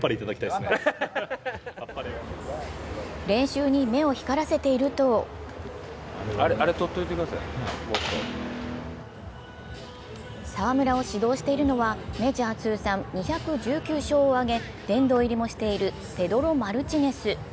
練習に目を光らせていると澤村を指導しているのはメジャー通算２１９勝を挙げ殿堂入りも果たしたペドロ・マルティネス。